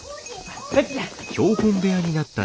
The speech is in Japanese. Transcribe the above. こっちじゃ。